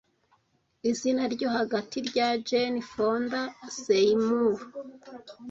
Izina ryo hagati rya Jane Fonda Seymour